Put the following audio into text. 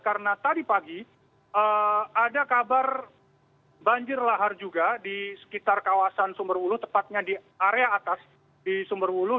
karena tadi pagi ada kabar banjir lahar juga di sekitar kawasan sumberwuluh tepatnya di area atas di sumberwuluh